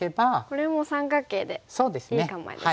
これも三角形でいい構えですね。